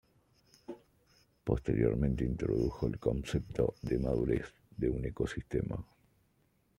Posteriormente introdujo el concepto de madurez de un ecosistema.